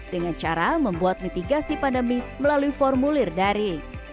dengan cara membuat mitigasi pandemi melalui formulir dari